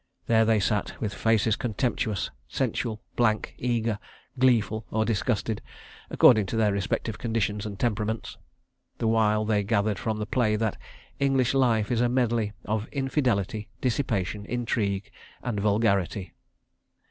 There they sat, with faces contemptuous, sensual, blank, eager, gleeful or disgusted, according to their respective conditions and temperaments—the while they gathered from the play that English life is a medley of infidelity, dissipation, intrigue and vulgarity.